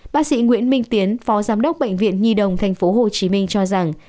bác sĩ nguyễn minh tiến phó giám đốc bệnh viện nhi đồng tp hcm cho rằng